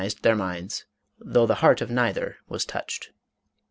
491 ized their minds, though the heart of neither was touched.